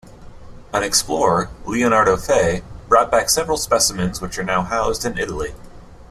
An explorer, Leonardo Fea, brought back several specimens which are now housed in Italy.